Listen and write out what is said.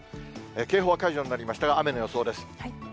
警報は解除になりましたが、雨の予想です。